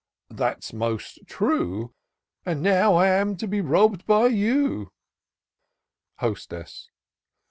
" That's most true. And now I'm to be robb'd by you." Hostess.